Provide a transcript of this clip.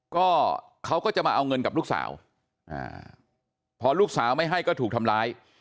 ก็เขาก็จะมาเอาเงินกับลูกสาวพอลูกสาวไม่ให้ก็ถูกทำร้าย